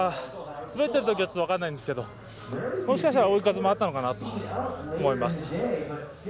滑っているときはちょっと分からないんですけどもしかしたら追い風もあったかなと思います。